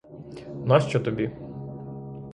Нащо тобі?